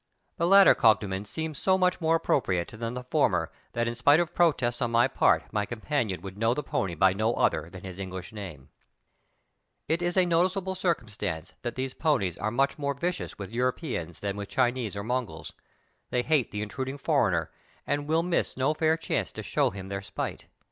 The latter cognomen seemed so much more appropriate than the former that in spite of protests on my part my companion would know the pony by no other than his English name. 184 THl? 'i'aLkInC handkerchief. It is a noticeable circumstance that these ponies are much more vicious with Europeans than with Chinese or Mongols; they hate the intruding foreigner and will miss no fair chance to show him their spite.